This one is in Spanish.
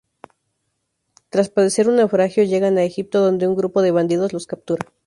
Tras padecer un naufragio, llegan a Egipto donde un grupo de bandidos los captura.